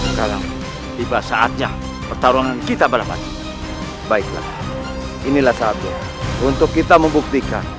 sekarang tiba saatnya pertarungan kita balapan baiklah inilah satu untuk kita membuktikan